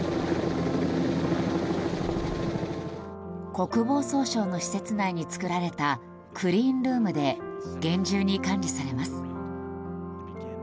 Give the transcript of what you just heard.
国防総省の施設内に作られたクリーンルームで厳重に管理されます。